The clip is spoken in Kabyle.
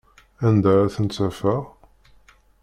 Anda ara tent-afeɣ?